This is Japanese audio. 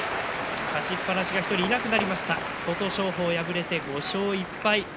勝ちっぱなしが１人いなくなりました琴勝峰、敗れて５勝１敗。